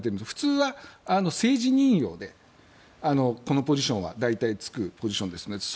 普通は政治任用でこのポジションは大体就くポジションですね。